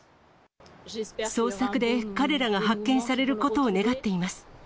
捜索で彼らが発見されることを願っています。